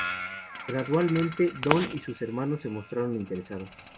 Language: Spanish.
Gradualmente Don y sus hermanos se mostraron interesados.